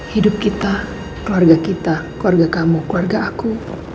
hidup kita keluarga kita keluarga kamu keluarga aku